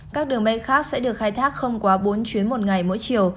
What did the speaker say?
các đường bay khác sẽ được khai thác không quá bốn chuyến một ngày mỗi chiều